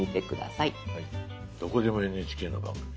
「どこでも、ＮＨＫの番組を」。